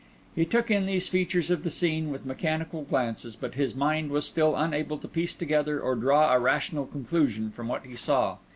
He took in these features of the scene with mechanical glances, but his mind was still unable to piece together or draw a rational conclusion from what he saw.